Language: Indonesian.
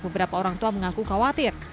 beberapa orang tua mengaku khawatir